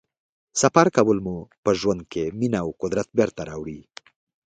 سفر کول مو په ژوند کې مینه او قدرت بېرته راوړي.